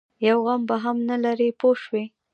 یو غم به هم نه لري پوه شوې!.